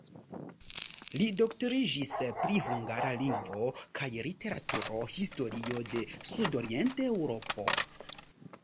Li doktoriĝis pri hungara lingvo kaj literaturo, historio de Sudorient-Eŭropo.